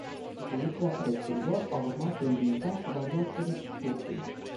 Evoluția prețurilor a urmat tendința și variațiile pieței.